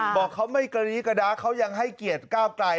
บอกเขาไม่กระลี้กระดาเขายังให้เกียรติก้าวไกล